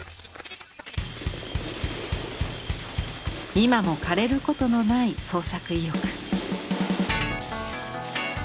今も枯れることのない創作意欲。